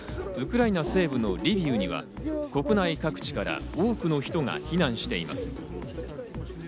ウクライナ西部のリビウには国内各地から多くの人が避難しています。